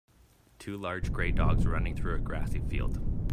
Two large gray dogs running through a grassy field.